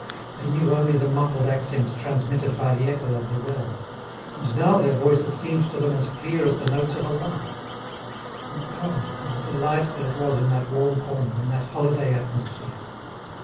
They knew only the muffled accents transmitted by the echo of the well. And now their voices seemed to them as clear as the notes of a lark. And ah! how delightful it was in that warm corner, in that holiday atmosphere!